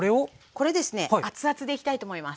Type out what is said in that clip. これですね熱々でいきたいと思います。